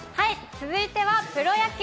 続いてはプロ野球。